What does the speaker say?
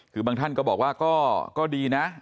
คือบางท่านก็บอกว่าก็ดีนะ